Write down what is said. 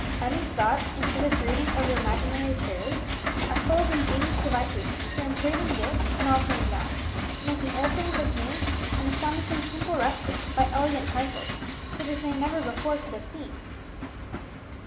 Emmie's thoughts, instead of brooding over imaginary terrors, are full of ingenious devices for improving this and altering that, making old things look new, and astonishing simple rustics by elegant trifles such as they never before could have seen.